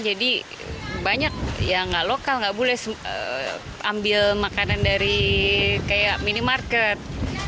jadi banyak yang nggak lokal nggak boleh ambil makanan dari kayak minimarket